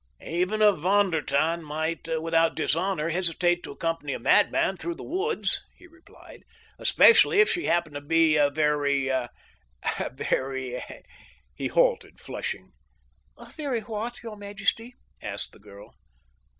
"Even a Von der Tann might, without dishonor, hesitate to accompany a mad man through the woods," he replied, "especially if she happened to be a very—a very—" He halted, flushing. "A very what, your majesty?" asked the girl.